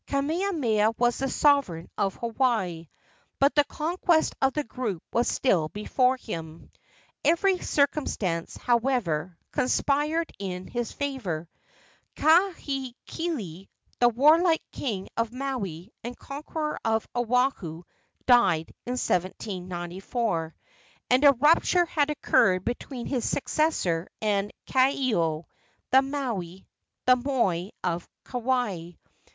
Kamehameha was the sovereign of Hawaii, but the conquest of the group was still before him. Every circumstance, however, conspired in his favor. Kahekili, the warlike king of Maui and conqueror of Oahu, died in 1794, and a rupture had occurred between his successor and Kaeo, the moi of Kauai.